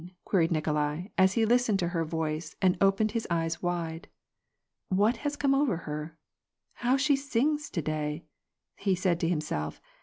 queried Nikolai, as he listened to her voice and opened his eyes wide. '^ What has come over her ? How she sings to day ?" he said to himself.